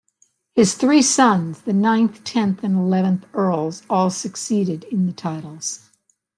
His three sons, the ninth, tenth and eleventh Earls, all succeeded in the titles.